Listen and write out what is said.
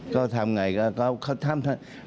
ก็ทำอย่างไรก็เขาทำทั้ง